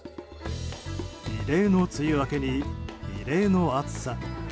異例の梅雨明けに異例の暑さ。